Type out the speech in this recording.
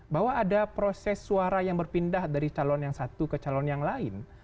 bahwa ada proses suara yang berpindah dari calon yang satu ke calon yang lain